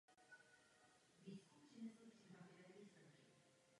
Budeme-li mít šťastné děti, bude šťastná i společnost.